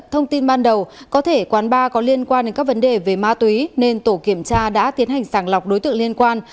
thông tin ban đầu có thể quán bar có liên quan đến các vấn đề về ma túy nên tổ kiểm tra đã tiến hành sàng lọc đối tượng liên quan